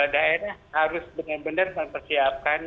daerah harus benar benar mempersiapkan